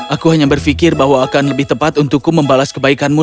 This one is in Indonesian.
aku hanya berpikir bahwa akan lebih tepat untukku membalas kebaikanmu